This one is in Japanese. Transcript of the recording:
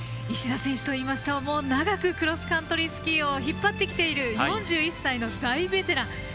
石田選手は長くクロスカントリースキーを引っ張ってきている４１歳の大ベテラン。